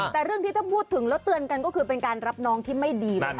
แต่เรื่องที่ต้องพูดถึงแล้วเตือนกันก็คือเป็นการรับน้องที่ไม่ดีนะคะ